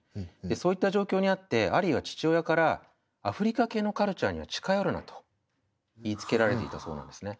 そういった状況にあってアリーは父親からアフリカ系のカルチャーには近寄るなと言いつけられていたそうなんですね。